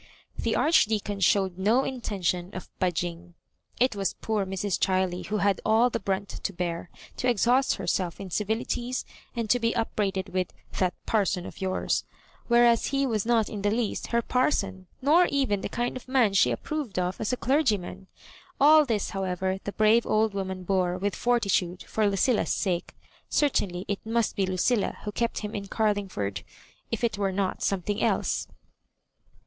— the Archdeacon showed no intention of budging. It was poor Mrs. Chiley who had all the brunt to bear, to exhaust herself in civilities and to be upbraided with "that parson of yours "— whereas he was not in the least her parson, nor even the kind of man she approved of as a clergyman. All this, however, the brave old woman bore with fortitude for Lucilla's sake: certainly it must be Lucilla who kept him in Gar lingford — ^if it were not something else.